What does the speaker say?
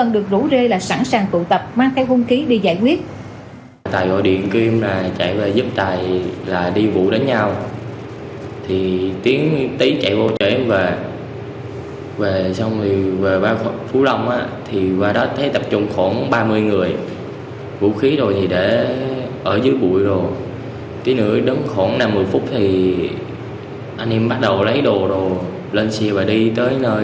được rũ rê là sẵn sàng tụ tập mang theo hôn ký đi giải quyết